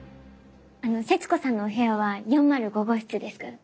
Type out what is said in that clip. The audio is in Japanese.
節子さんのお部屋は４０５号室ですから。